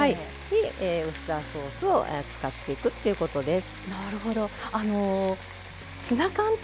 ウスターソースを使っていくということです。